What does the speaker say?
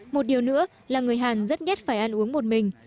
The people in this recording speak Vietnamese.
một điều nữa là người hàn rất nhất phải ăn uống một mình